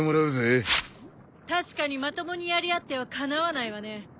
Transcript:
確かにまともにやり合ってはかなわないわね。